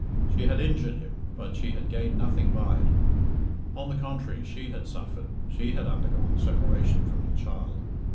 She had injured him, but she had gained nothing by it. On the contrary, she had suffered, she had undergone separation from her child.